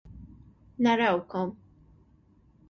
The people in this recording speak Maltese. Narawkom.